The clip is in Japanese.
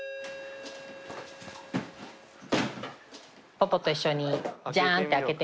パパと一緒にジャンって開けてみて。